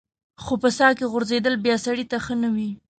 خو په څاه کې غورځېدل بیا سړی ته ښه نه وي.